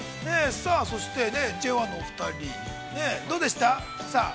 そして、ＪＯ１のお二人、どうでしたか。